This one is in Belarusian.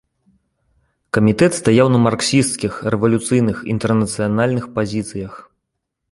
Камітэт стаяў на марксісцкіх, рэвалюцыйных, інтэрнацыянальных пазіцыях.